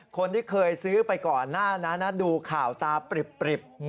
คนที่เคยซื้อไปก่อนหน้านั้นดูข่าวตาปริบ